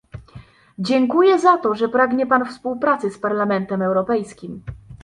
Dziękuję za to, że pragnie Pan współpracy z Parlamentem Europejskim